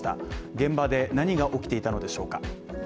現場で何が起きていたのでしょうか？